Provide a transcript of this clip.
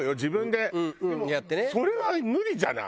でもそれは無理じゃない？